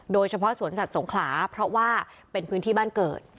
โดยเฉพาะสวนสัตว์สงขลาเพราะว่าเป็นพื้นที่บ้านเกิด